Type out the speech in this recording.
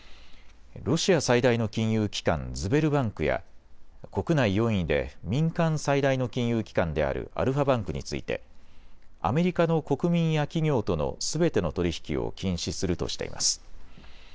ロシア最大の金融機関、ズベルバンクや国内４位で民間最大の金融機関であるアルファバンクについてアメリカの国民や企業とのすべての取り引きを禁止するとしています。